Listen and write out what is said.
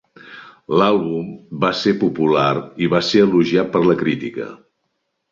L'àlbum va ser popular i va ser elogiat per la crítica.